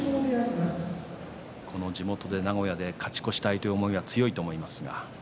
この地元、名古屋で勝ち越したいという思いは強いと思います。